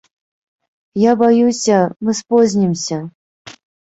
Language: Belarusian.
Я баюся, мы спознімся.